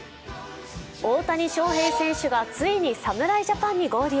大谷翔平選手がついに侍ジャパンに合流。